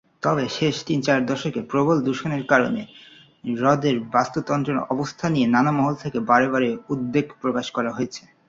তবে শেষ তিন-চার দশকে প্রবল দূষণের কারণে হ্রদের বাস্তুতন্ত্রের অবস্থা নিয়ে নানা মহল থেকে বারে বারে উদ্বেগ প্রকাশ করা হয়েছে।